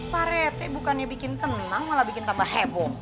paretek bukannya bikin tenang malah bikin tambah heboh